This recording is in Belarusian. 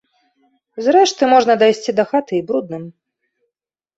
Зрэшты, можна дайсці да хаты і брудным.